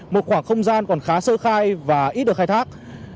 một khoảng không gian còn khá sơ khai và ít được khai thác